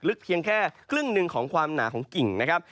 เพียงแค่ครึ่งหนึ่งของความหนาของกิ่งนะครับ